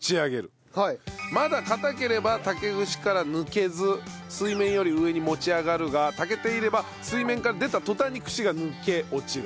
まだ硬ければ竹串から抜けず水面より上に持ち上がるが炊けていれば水面から出た途端に串が抜け落ちる。